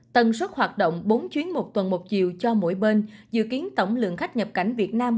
tần suất hoạt động bốn chuyến một tuần một chiều cho mỗi bên dự kiến tổng lượng khách nhập cảnh việt nam